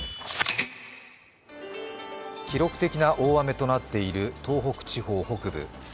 記録的な大雨となっている東北地方北部。